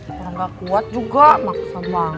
orang gak kuat juga maksa banget